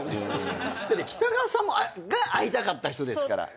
だって北川さんが会いたかった人ですから。